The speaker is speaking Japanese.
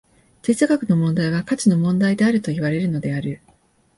哲学の問題は価値の問題であるといわれるのである。